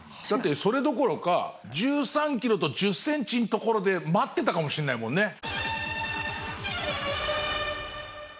だってそれどころか１３ｋｍと１０ｃｍの所で待ってたかもしれないもんね。